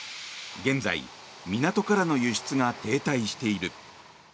現在、港からの輸出が停滞している。